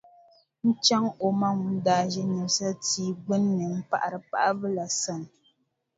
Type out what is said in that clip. N-chaŋ o ma ŋun daa ʒi nyimsa tia gbunni m-paɣiri paɣibu la sani.